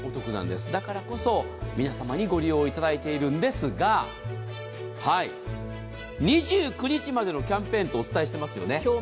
だからこそ皆さまにご利用いただいているんですが２９日までのキャンペーンとお伝えしてますよね。